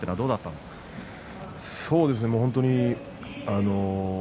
そうですね。